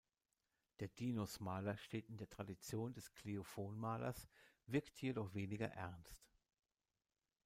Der Dinos-Maler steht in der Tradition des Kleophon-Malers, wirkt jedoch weniger ernst.